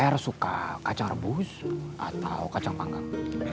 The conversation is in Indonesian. air suka kacang rebus atau kacang panggang